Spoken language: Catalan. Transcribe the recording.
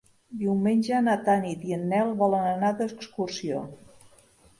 Diumenge na Tanit i en Nel volen anar d'excursió.